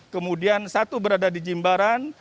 kemudian satu berada di jimbaran